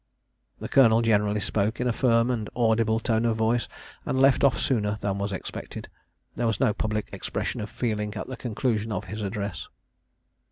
The Colonel generally spoke in a firm and audible tone of voice, and left off sooner than was expected. There was no public expression of feeling at the conclusion of his address.